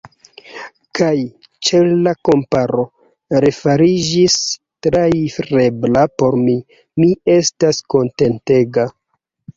Kaj, ĉar la kamparo refariĝis trairebla por mi, mi estis kontentega.